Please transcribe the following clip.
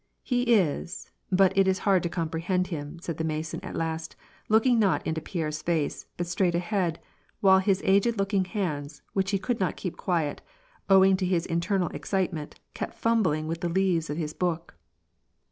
"He is, but it is hard to comprehend Him," said the Mason at last, looking not into Pierre's face, but straight ahead, while his aged looking hands, which he could not keep quiet, owing to his intemaJ excitement, kept fumbling with the leaves of his book.